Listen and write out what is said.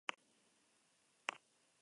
Batek daki zuzena ote den!